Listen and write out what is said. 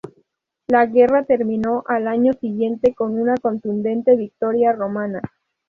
La guerra terminó al año siguiente con una contundente victoria romana.